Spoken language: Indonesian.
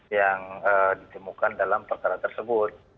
yang ditemukan dalam perkara tersebut